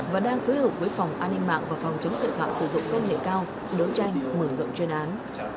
và đang phối hợp với phòng an ninh mạng và phòng chống tệ phạm sử dụng kết liện cao đấu tranh mở rộng chuyên án